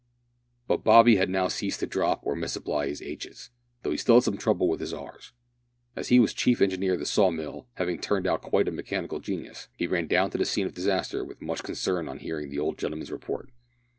But Bobby had now ceased to drop or misapply his aitches though he still had some trouble with his R's. As he was chief engineer of the saw mill, having turned out quite a mechanical genius, he ran down to the scene of disaster with much concern on hearing the old gentleman's report.